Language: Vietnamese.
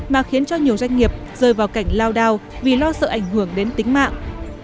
mà khiến cho nhiều doanh nghiệp rơi vào cảnh lao đao vì lo sợ ảnh hưởng đến tính mạng